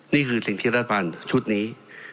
นี่คือสิ่งที่รัฐบาลชุดนี้